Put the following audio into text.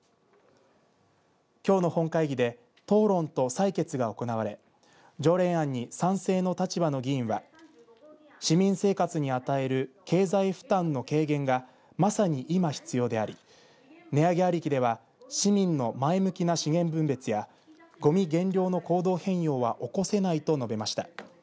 きょうの本会議で討論と採決が行われ条例案に賛成の立場の議員は市民生活に与える経済負担の軽減がまさに今、必要であり値上げありきでは市民の前向きな資源分別やごみ減量の行動変容は起こせないと述べました。